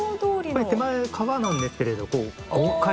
「これ手前川なんですけれど豪快に」